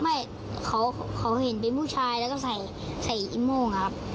ไม่เขาเห็นเป็นผู้ชายแล้วก็ใส่ใส่อีโม่งครับ